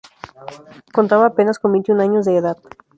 Contaba apenas con veintiún años de edad.